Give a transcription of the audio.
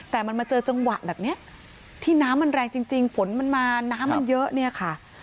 แต่มันมาเจอจังหวะแบบนี้ที่น้ำมันแรงจริงฝนมันมาน้ำมันเยอะเนี่ยค่ะ